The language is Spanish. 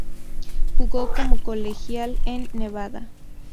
Jugó como colegial en Nevada.